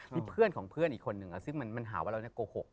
มีเพื่อนของเพื่อนอีกคนนึงซึ่งมันหาว่าเราโกหก